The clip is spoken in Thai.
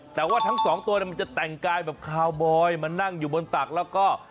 แต่ว่าทั้งสองตัวมันจะแต่งกายแบบคาวบอยมานั่งอยู่บนตักแล้วก็